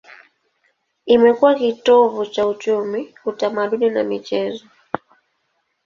Imekuwa kitovu cha uchumi, utamaduni na michezo.